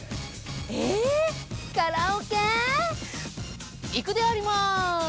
えカラオケ？行くであります！